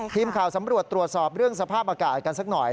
ทีมข่าวสำรวจตรวจสอบเรื่องสภาพอากาศกันสักหน่อย